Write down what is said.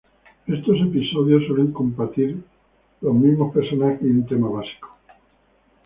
Estos episodios suelen compartir los mismos personajes y un tema básico.